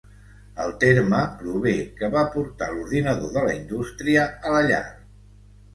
El terme prové que va portar l'ordinador de la indústria a la llar.